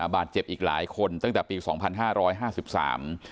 บาดเจ็บอีกหลายคนตั้งแต่ปีสองพันห้าร้อยห้าสิบสาม